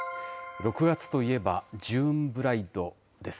６月といえば、ジューンブライドです。